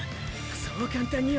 そう簡単には。